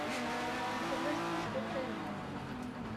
Mxemmasen s tukkimin.